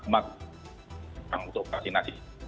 maka dia harus siap untuk vaksinasi